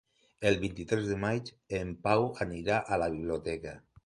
El vint-i-tres de maig en Pau anirà a la biblioteca.